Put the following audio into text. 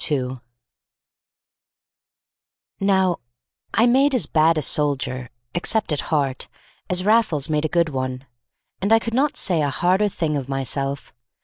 II Now I made as bad a soldier (except at heart) as Raffles made a good one, and I could not say a harder thing of myself.